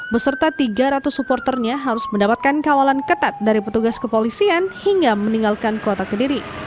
beserta tiga ratus supporternya harus mendapatkan kawalan ketat dari petugas kepolisian hingga meninggalkan kota kediri